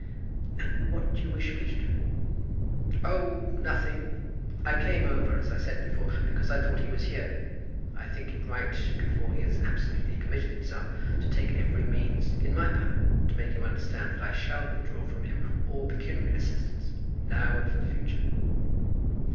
"And what do you wish me to do?" "Oh, nothing. I came over, as I said before, because I thought he was here. I think it right, before he has absolutely committed himself, to take every means in my power to make him understand that I shall withdraw from him all pecuniary assistance, now and for the future."